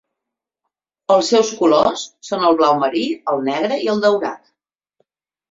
Els seus colors són el blau marí, el negre i el daurat.